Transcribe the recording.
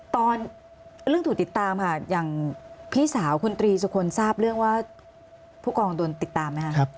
ตอนเรื่องถูกติดตามค่ะอย่างพี่สาวคุณตรีสุคลทราบเรื่องว่าผู้กองโดนติดตามไหมคะ